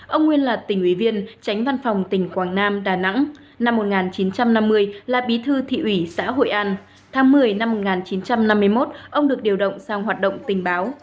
ông nguyên là tỉnh ủy viên tránh văn phòng tỉnh quảng nam đà nẵng năm một nghìn chín trăm năm mươi là bí thư thị ủy xã hội an tháng một mươi năm một nghìn chín trăm năm mươi một ông được điều động sang hoạt động tình báo